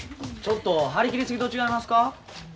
ちょっと張り切り過ぎと違いますか？